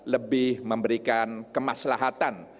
lebih memberikan kemaslahatan